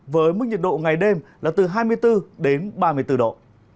với mức nhiệt độ ngày đêm là từ hai mươi bốn đến ba mươi bốn độ